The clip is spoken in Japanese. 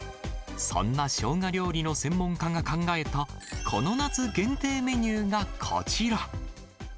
そんなショウガ料理の専門家が考えた、この夏限定メニューがこちら。